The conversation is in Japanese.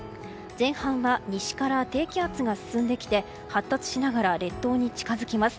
前半は西から低気圧が進んできて発達しながら列島に近づきます。